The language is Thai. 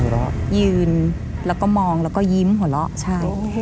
ยืนแล้วก็มองแล้วก็ยิ้มหัวเราะใช่